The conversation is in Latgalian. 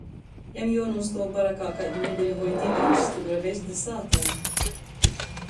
Jam juonūstuov barakā kaidu nedeļu voi divejis, tod var vest da sātai.